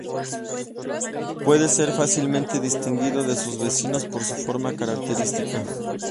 Puede ser fácilmente distinguido de sus vecinos por su forma característica.